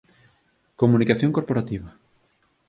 Comunicación corporativa